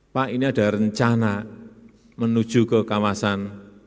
pak ini ada rencana menuju ke kawasan